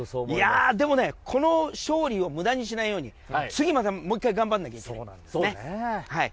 でもね、この勝利を無駄にしないように次、もう１回頑張らないといけない。